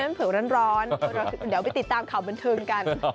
เผือกร้อนเดี๋ยวไปติดตามข่าวบันเทิงกัน